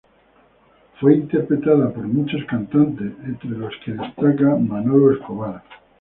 Fue interpretada por muchos cantantes, entre los que destaca Manolo Escobar.